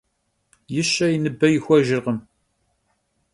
Yi şe yi nıbe yixuejjırkhım.